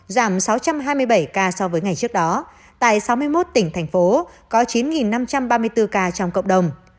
giảm sáu trăm hai mươi bảy ca so với ngày trước đó tại sáu mươi một tỉnh thành phố có chín năm trăm ba mươi bốn ca trong cộng đồng